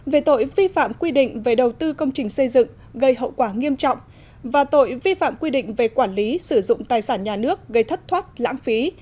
về tội vi phạm quy định về đầu tư công trình xây dựng gây hậu quả nghiêm trọng và tội vi phạm quy định về quản lý sử dụng tài sản nhà nước gây thất thoát lãng phí